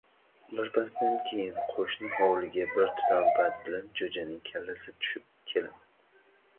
Birpasdan keyin qo‘shni hovliga bir tutam pat bilan jo‘janing kallasi tushib keladi